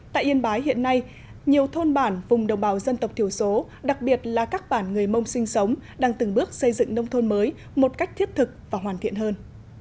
tại yên bái hiện nay nhiều thôn bản vùng đồng bào dân tộc thiểu số đặc biệt là các bản người mông sinh sống đang từng bước xây dựng nông thôn mới một cách thiết thực và hoàn thiện hơn